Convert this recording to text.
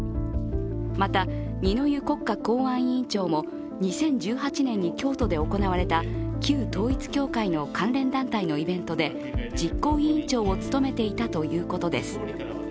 また、二之湯国家公安委員長も２０１８年に京都で行われた旧統一教会の関連団体のイベントで、実行委員長を務めていたということです。